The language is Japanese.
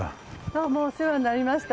どうもお世話になりました。